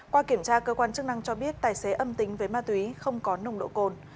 qua kiểm tra cơ quan chức năng cho biết tài xế âm tính với ma túy không có nồng độ cồn